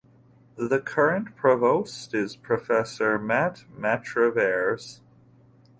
The current Provost is Professor Matt Matravers.